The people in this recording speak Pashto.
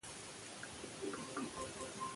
پېښور: دانش خپرندويه ټولنه، پېښور